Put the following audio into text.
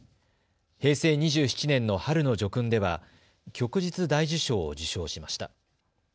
平成２７年の春の叙勲では旭日大綬章を受章しました。